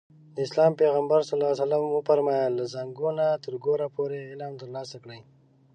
د اسلام پيغمبر ص وفرمايل له زانګو نه تر ګوره پورې علم ترلاسه کړئ.